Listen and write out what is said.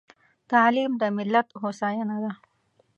تعليم د ملت هوساينه ده.